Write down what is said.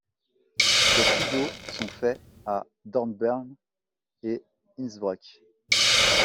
Des studios sont faits à Dornbirn et Innsbruck.